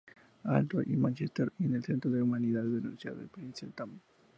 Andrews y Manchester y en el Centro de Humanidades de la Universidad de Princeton.